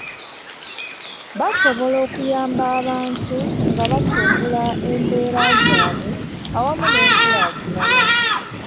Basobola okuyamba abantu nga batumbula embeera zaabwe awamu n'enkulaakulana